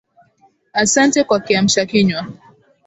Ahsante kwa kiamsha kinywa.